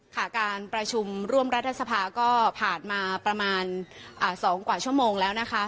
ค่ะการประชุมร่วมรัฐสภาก็ผ่านมาประมาณ๒กว่าชั่วโมงแล้วนะคะ